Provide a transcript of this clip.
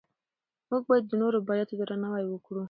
موږ باید د نورو بریا ته درناوی وکړو